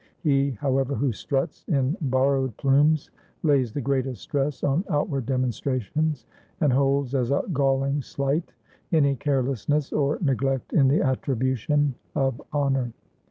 He, however, who struts in borrowed plumes lays the greatest stress on outward demonstra tions, and holds as a galling slight any carelessness or neglect in the attribution of honor.